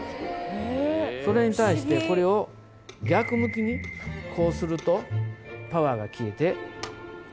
それに対してこれを逆向きにこうするとパワーが消えてくっつきません。